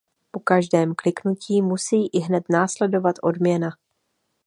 Po každém kliknutí musí ihned následovat odměna.